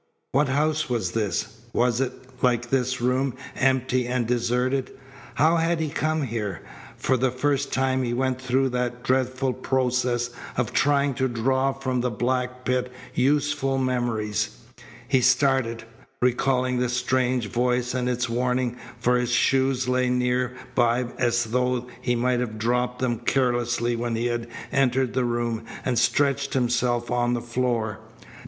What house was this? Was it, like this room, empty and deserted? How had he come here? For the first time he went through that dreadful process of trying to draw from the black pit useful memories. He started, recalling the strange voice and its warning, for his shoes lay near by as though he might have dropped them carelessly when he had entered the room and stretched himself on the floor.